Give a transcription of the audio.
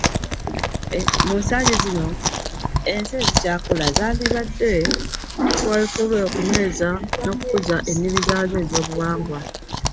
Mu nsangi zino ensi ezikyakula zandibadde mu kaweefube okunyweza n’okukuza ennimi zaazo ez’obuwangwa.